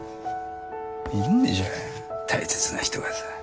いるんでしょ大切な人がさ。